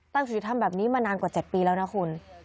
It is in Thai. ตั้งสถิตย์ทำแบบนี้มานานกว่า๗ปีแล้วนะคุณ